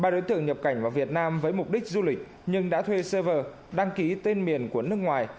ba đối tượng nhập cảnh vào việt nam với mục đích du lịch nhưng đã thuê server đăng ký tên miền của nước ngoài